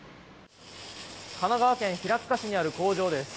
神奈川県平塚市にある工場です。